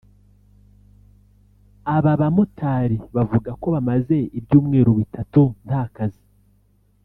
Aba bamotari bavuga ko bamaze ibyumweru bitatu nta kazi